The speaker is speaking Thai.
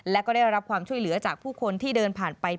และก็ได้รับความช่วยเหลือจากผู้คนที่เดินผ่านไป